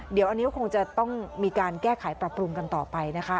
เดี๋ยวอันนี้ก็คงจะต้องมีการแก้ไขปรับปรุงกันต่อไปนะคะ